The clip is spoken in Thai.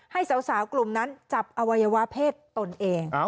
ให้สาวกลุ่มนั้นจับอวัยวะเพศตนเอง